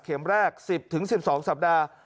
แรก๑๐๑๒สัปดาห์